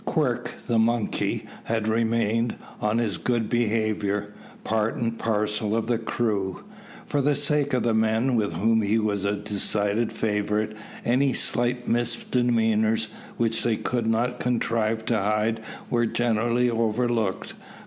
Quirk, the monkey, had remained, on his good behaviour, part and parcel of the crew. For the sake of the men, with whom he was a decided favourite, any slight misdemeanours which they could not contrive to hide were generally overlooked.